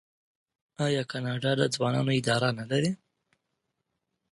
آیا کاناډا د ځوانانو اداره نلري؟